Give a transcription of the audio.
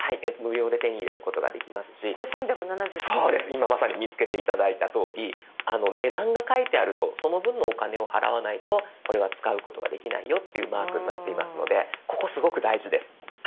今まさに見つけて頂いたとおり値段が書いてあるとその分のお金を払わないとこれは使うことができないよというマークになっていますのでここすごく大事です。